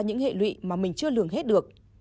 những hệ lụy mà mình chưa lường hết được